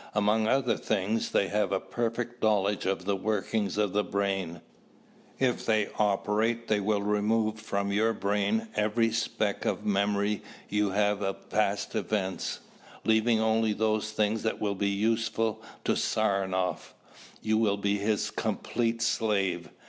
Among other things, they have a perfect knowledge of the workings of the brain. If they operate they will remove from your brain every speck of memory you have of past events, leaving only those things that will be useful to Saranoff. You will be his complete slave.